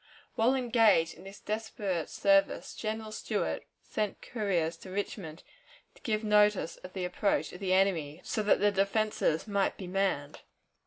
While engaged in this desperate service, General Stuart sent couriers to Richmond to give notice of the approach of the enemy, so that the defenses might be manned.